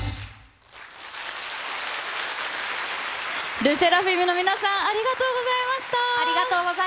ＬＥＳＳＥＲＡＦＩＭの皆ありがとうございました。